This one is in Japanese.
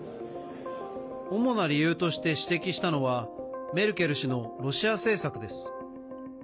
主な理由として指摘したのはメルケル氏のロシア政策です。